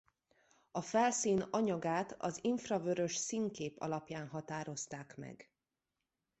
A felszín anyagát az infravörös színkép alapján határozták meg.